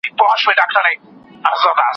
سمدم به ګنهــكاره ســـې